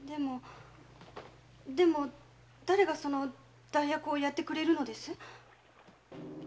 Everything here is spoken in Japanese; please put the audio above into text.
でも誰がその代役をやってくれるのです？